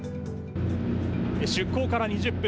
出航から２０分。